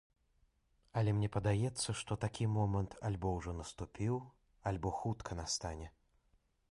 Але мне падаецца, што такі момант альбо ужо наступіў, альбо хутка настане.